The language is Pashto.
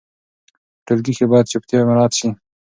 په ټولګي کې باید چوپتیا مراعت سي.